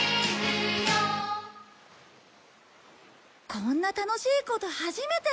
こんな楽しいこと初めて。